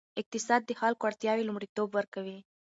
اقتصاد د خلکو اړتیاوې لومړیتوب ورکوي.